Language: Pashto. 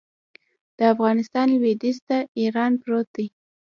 د افغانستان لویدیځ ته ایران پروت دی